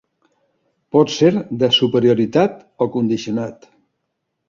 Pot ser de superioritat o condicionat.